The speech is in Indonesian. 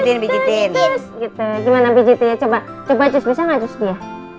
gimana pijitinnya coba cus bisa gak cus dia